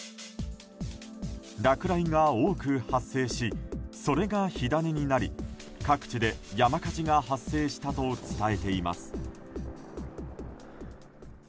落雷が多く発生しそれが火種になり各地で山火事が発生したと伝えています。